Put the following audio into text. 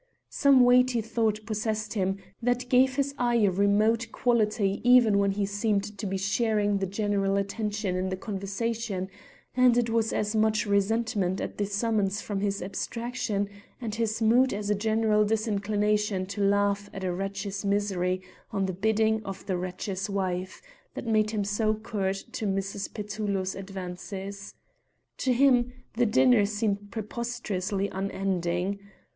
Some weighty thought possessed him that gave his eye a remote quality even when he seemed to be sharing the general attention in the conversation, and it was as much resentment at the summons from his abstraction and his mood as a general disinclination to laugh at a wretch's misery on the bidding of the wretch's wife, that made him so curt to Mrs. Petullo's advances. To him the dinner seemed preposterously unending.